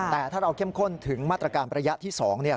แต่ถ้าเราเข้มข้นถึงมาตรการระยะที่๒เนี่ย